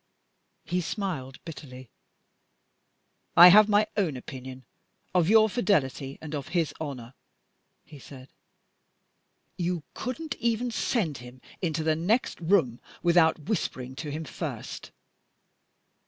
He smiled bitterly. "I have my own opinion of your fidelity and of his honor," he said. "You couldn't even send him into the next room without whispering to him first.